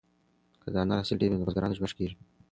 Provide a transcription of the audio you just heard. که د انار حاصل ډېر وي نو د بزګرانو ژوند ښه کیږي.